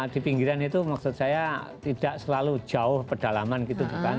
di pinggiran itu maksud saya tidak selalu jauh pedalaman gitu kan